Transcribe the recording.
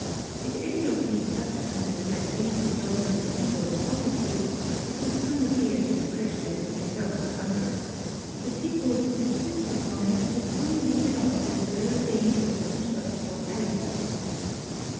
If any of these Substances had any predominant evil Quality, it would soon appear to the Prejudice of the Health of Numbers; the People who subsist upon it, would soon leave it off as a very dangerous and hurtful Aliment.